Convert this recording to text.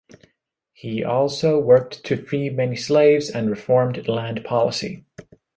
He also worked to free many slaves and reformed land policy.